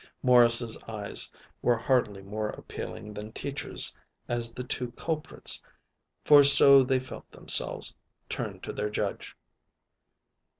Morris's eyes were hardly more appealing than Teacher's as the two culprits, for so they felt themselves, turned to their judge.